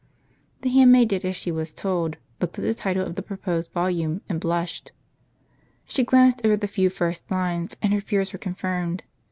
The handmaid did as she w^as told, looked at the title of the proposed volume, and blushed. She glanced over the few first lines, and her fears were confirmed.